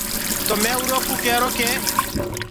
تو مينٚ اُرو ڪوُ ڪيرو ڪي